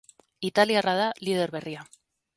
Italiarra da lider berria.